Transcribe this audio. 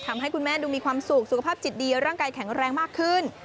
ทำให้คุณแม่ดูมีความสุขสุขภาพจิตดีร่างกายแข็งแรงมากขึ้น